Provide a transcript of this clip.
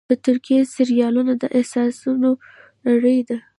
د ترکیې سریالونه د احساسونو نړۍ ده.